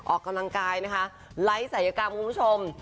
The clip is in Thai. ออกกำลังกายนะคะไร้สายกรรมคุณผู้ชม